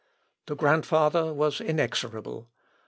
The grandfather was inexorable.